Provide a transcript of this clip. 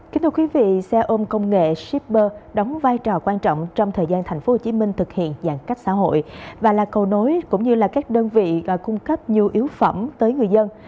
kính thưa quý vị xe ôm công nghệ shipper đóng vai trò quan trọng trong thời gian thành phố hồ chí minh thực hiện giãn cách xã hội và là cầu nối cũng như là các đơn vị cung cấp nhiều yếu phẩm tới người dân